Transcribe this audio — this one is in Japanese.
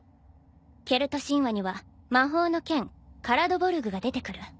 ケルト神話には魔法の剣カラドボルグが出てくる。